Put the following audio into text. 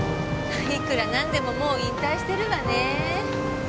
いくらなんでももう引退してるわね。